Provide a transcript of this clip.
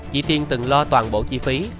chị tiên từng lo toàn bộ chi phí